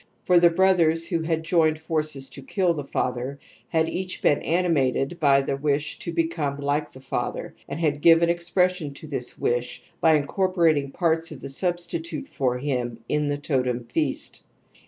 /For the brothers who had joined forces to kill tne father / had each been animated by the wish to become / like the father and had given expression to this / wish by incorporating pax:|s of the substitute \ for him in the totem feast.